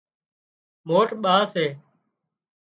موٽ ٻا سي